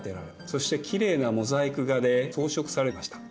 そしてきれいなモザイク画で装飾されました。